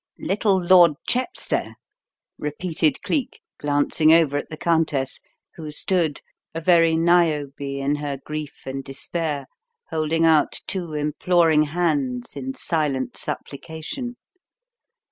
"Little Lord Chepstow?" repeated Cleek, glancing over at the countess, who stood, a very Niobe in her grief and despair, holding out two imploring hands in silent supplication.